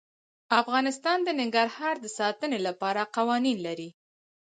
افغانستان د ننګرهار د ساتنې لپاره قوانین لري.